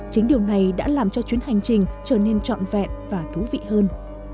chính điều này đã làm cho chuyến hành trình trở nên trọn vẹn và thú vị hơn